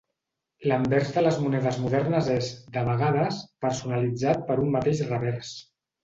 L'anvers de les monedes modernes és, de vegades, personalitzat per un mateix revers.